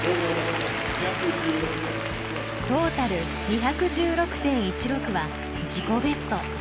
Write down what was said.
トータル２１６．１６は自己ベスト。